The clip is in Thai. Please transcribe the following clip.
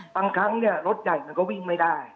บางครั้งรถใหญ่มันก็วิ่งไม่ได้